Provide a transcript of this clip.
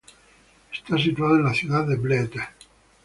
Está situado en la ciudad de Bled.